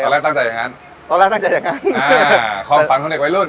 ตอนแรกตั้งใจอย่างงั้นตอนแรกตั้งใจอย่างงั้นอ่าคลองฝังคนเด็กไว้รุ่น